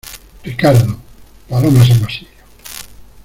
Ricardo... paloma San Basilio .